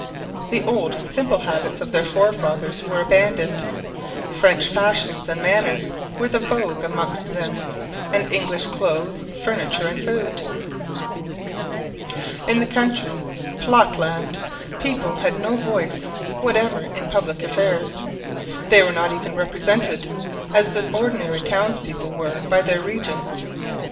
The old simple habits of their forefathers were abandoned. French fashions and manners were the vogue amongst them, and English clothes, furniture and food. In the country platteland people had no voice whatever in public affairs; they were not even represented, as the ordinary townspeople were by their regents.